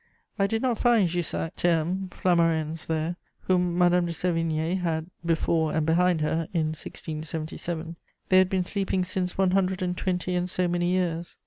I did not find Jussac, Termes, Flamarens there, whom Madame de Sévigné had "before and behind her" in 1677: they had been sleeping since one hundred and twenty and so many years.